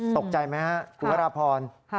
ตกใจมั้ยฮะอุรพร